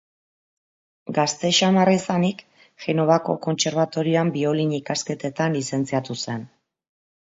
Gazte xamarra izanik Genovako kontserbatorioan biolin ikasketetan lizentziatu zen.